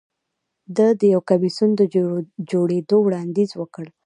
ده د یو کمېسیون د جوړېدو وړاندیز وکړ.